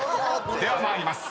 ［では参ります。